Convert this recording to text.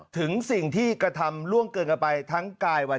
ถึงสิ่งที่กระทำล่วงเกินกันไปทั้งกายวัน